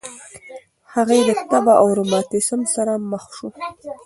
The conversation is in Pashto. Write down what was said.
هغې د تبه او روماتیسم سره مخ وه.